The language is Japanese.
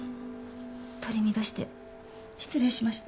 取り乱して失礼しました。